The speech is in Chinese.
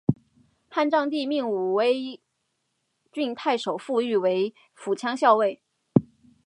汉章帝命武威郡太守傅育为护羌校尉。